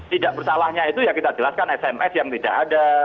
tidak bersalahnya itu ya kita jelaskan sms yang tidak ada